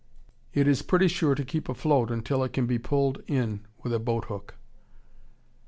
It is pretty sure to keep afloat until it can be pulled in with a boat hook.